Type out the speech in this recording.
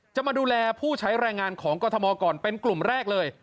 จะมาดูแลผู้ใช้แรงงานของกรทมก่อนเป็นกลุ่มแรกเลย